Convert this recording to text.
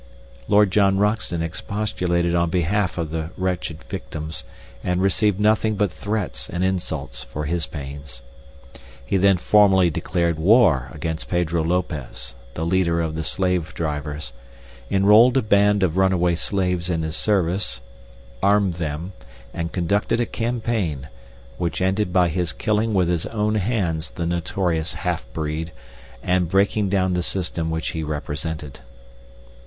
Lord John Roxton expostulated on behalf of the wretched victims, and received nothing but threats and insults for his pains. He then formally declared war against Pedro Lopez, the leader of the slave drivers, enrolled a band of runaway slaves in his service, armed them, and conducted a campaign, which ended by his killing with his own hands the notorious half breed and breaking down the system which he represented.